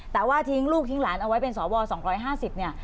แต่ว่าทิ้งลูกทิ้งหลานเอาไว้เป็นสว๒๕๐เนี่ย